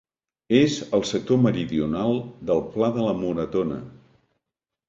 És al sector meridional del Pla de la Moretona.